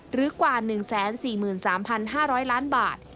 หรือกว่า๑๔๓๕๐๐ล้านบาท